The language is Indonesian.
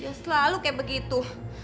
ya selalu kayak begitu